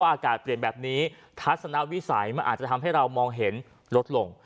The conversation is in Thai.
อากาศเปลี่ยนแบบนี้ทัศนวิสัยมันอาจจะทำให้เรามองเห็นลดลง